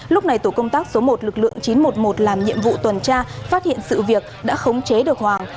lúc này tổ công tác số một lực lượng chín trăm một mươi một làm nhiệm vụ tuần tra phát hiện sự việc đã khống chế được hoàng